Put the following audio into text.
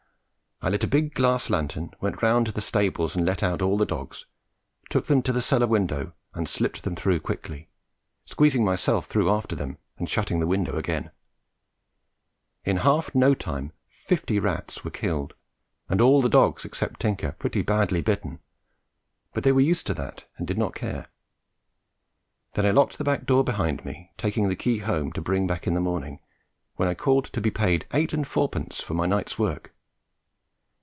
I lit a big glass lantern, went round to the stables and let out all the dogs, took them to the cellar window and slipt them through quickly, squeezing myself through after them and shutting the window again. In half no time fifty rats were killed, and all the dogs, except Tinker, pretty badly bitten; but they were used to that and did not care. Then I locked the back door behind me, taking the key home to bring back in the morning when I called to be paid eight and fourpence for my night's work.